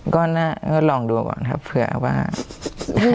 ก็ลองดูก่อนครับเผื่อว่าอาจจะใส่ไป